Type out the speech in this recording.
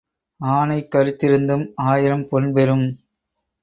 ஆனை கறுத்திருந்தும் ஆயிரம் பொன் பெறும்.